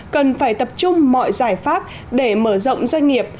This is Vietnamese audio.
cần phải tập trung mọi giải pháp để mở rộng doanh nghiệp